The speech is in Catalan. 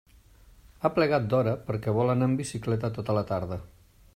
Ha plegat d'hora perquè vol anar en bicicleta tota la tarda.